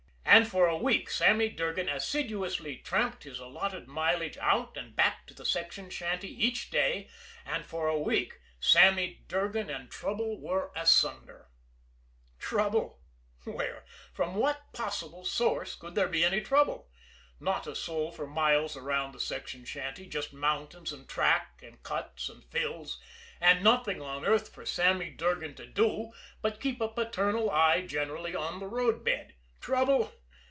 And for a week Sammy Durgan assiduously tramped his allotted mileage out and back to the section shanty each day and for a week Sammy Durgan and trouble were asunder. Trouble? Where, from what possible source, could there be any trouble? Not a soul for miles around the section shanty, just mountains and track and cuts and fills, and nothing on earth for Sammy Durgan to do but keep a paternal eye generally on the roadbed. Trouble?